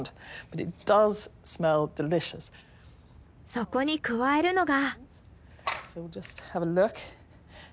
そこに加えるのが。